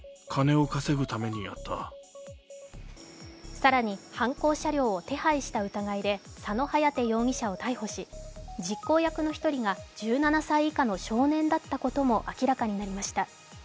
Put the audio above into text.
更に犯行車両を手配した疑いで佐野颯容疑者を逮捕し実行役の１人が１７歳以下の少年だったことも明らかになりました。